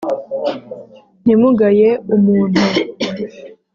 ntimugaye umuntu,